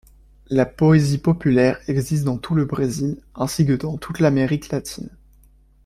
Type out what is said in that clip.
La poésie populaire existe dans tout le Brésil, ainsi que dans toute l’Amérique latine.